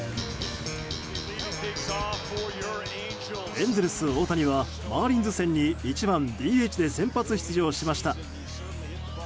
エンゼルス大谷はマーリンズ戦に１番ＤＨで先発出場しました。